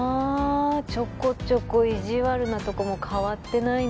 ちょこちょこ意地悪なとこも変わってないね